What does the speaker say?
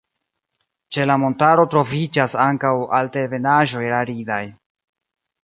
Ĉe la montaro troviĝas ankaŭ altebenaĵoj aridaj.